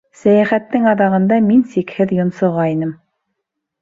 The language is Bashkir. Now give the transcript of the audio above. Сәйәхәттең аҙағында мин сикһеҙ йонсоғайным